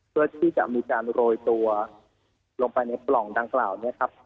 เพื่อที่จะมีการโรยตัวลงไปในปล่องดังกล่าวเนี่ยครับ